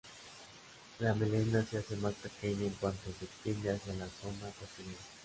La melena se hace más pequeña en cuanto se extiende hacia la zona posterior.